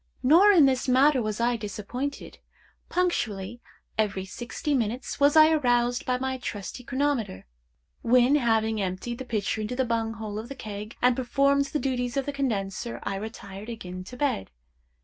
Nor in this matter was I disappointed. Punctually every sixty minutes was I aroused by my trusty chronometer, when, having emptied the pitcher into the bung hole of the keg, and performed the duties of the condenser, I retired again to bed.